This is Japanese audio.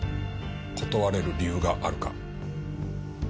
断れる理由があるか？